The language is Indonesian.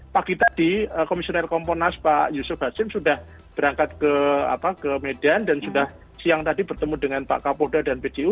pagi tadi komisioner komponas pak yusuf hasin sudah berangkat ke medan dan sudah siang tadi bertemu dengan pak kapolda dan pju